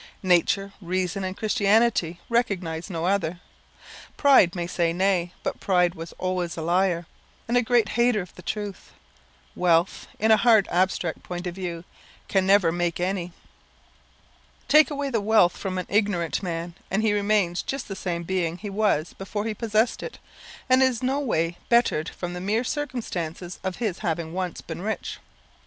Nature, reason, and Christianity, recognise no other. Pride may say nay; but pride was always a liar, and a great hater of the truth. Wealth, in a hard, abstract point of view, can never make any. Take away the wealth from an ignorant man, and he remains just the same being he was before he possessed it, and is no way bettered from the mere circumstance of his having once been rich.